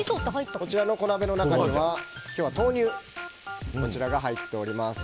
こちらの小鍋の中には豆乳が入っております。